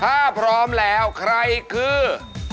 ถ้าพร้อมแล้วใครคือ